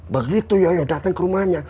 begitu yaya datang ke rumahnya